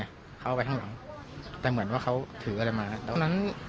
เข้าไปข้างหลังแต่เหมือนว่าเขาถืออะไรมาตอนนั้น